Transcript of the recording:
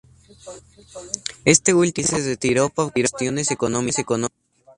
Este último país se retiró por cuestiones económicas.